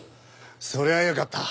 そりゃよかった。